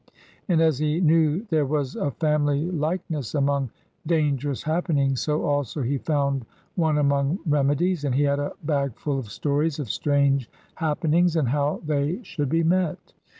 And as he knew there was a family likeness among dangerous happenings, so also he found one among remedies, and he had a bag full of stories of strange happenings and how they should be met.